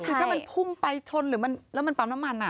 คือถ้ามันพุ่งไปชนหรือแล้วมันปั๊มน้ำมัน